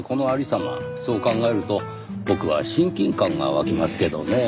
そう考えると僕は親近感が湧きますけどねぇ。